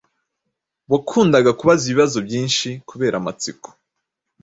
wakundaga kubaza ibibazo byinshi kubera amatsiko.